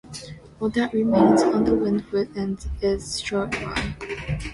All that remains on the Wildwood end is a short wye.